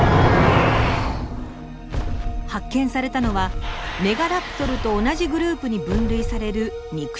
発見されたのはメガラプトルと同じグループに分類される肉食恐竜。